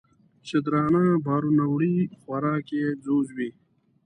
چې درانه بارونه وړي خوراک یې ځوځ وي